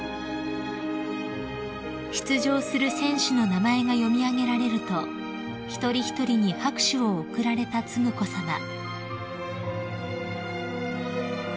［出場する選手の名前が読み上げられると一人一人に拍手を送られた承子さま］